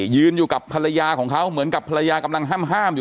ยืนอยู่กับภรรยาของเขาเหมือนกับภรรยากำลังห้ามอยู่